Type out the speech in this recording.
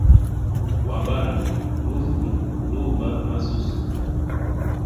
Wa bandu, lufu, luba, masusu.